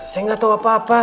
saya gak tau apa apa